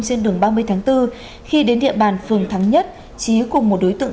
trên đường ba mươi tháng bốn khi đến địa bàn phường thắng nhất trí cùng một đối tượng